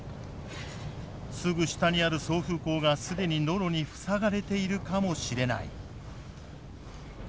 すぐ下にある送風口が既にノロに塞がれているかもしれない。